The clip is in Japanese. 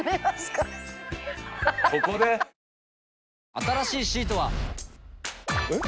新しいシートは。えっ？